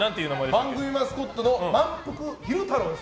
番組マスコットのまんぷく昼太郎です。